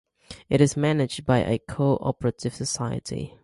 It is managed by a Co-operative Society.